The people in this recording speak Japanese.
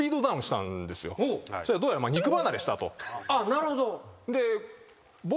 なるほど。